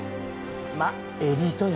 まあエリートよ。